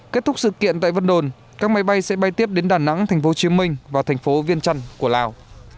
kết thúc sự kiện tại vân đồn các máy bay sẽ bay tiếp đến đà nẵng thành phố chiêu minh và thành phố viên trần của lào